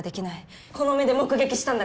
この目で目撃したんだから。